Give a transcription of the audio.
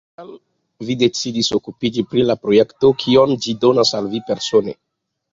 Kial vi decidis okupiĝi pri la projekto, kion ĝi donas al vi persone?